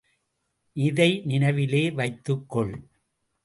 இதை நினைவிலே வைத்துக் கொள்.